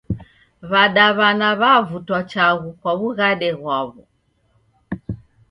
W'adaw'ana w'evutwa chaghu kwa wughade ghw'o